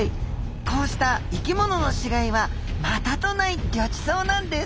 こうした生きものの死骸はまたとないぎょちそうなんです。